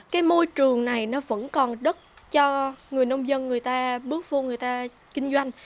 cái môi trường này nó vẫn còn đất cho người nông dân người ta bước vô người ta kinh doanh